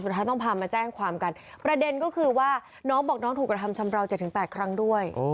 ต้องพามาแจ้งความกันประเด็นก็คือว่าน้องบอกน้องถูกกระทำชำราว๗๘ครั้งด้วย